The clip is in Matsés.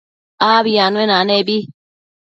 Abi anuenanebi